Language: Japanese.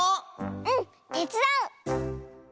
うんてつだう！